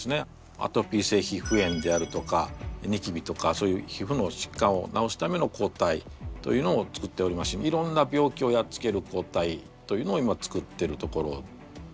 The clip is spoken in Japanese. アトピー性ひふ炎であるとかにきびとかそういうひふのしっかんを治すための抗体というのも作っておりますしいろんな病気をやっつける抗体というのを今作ってるところですね。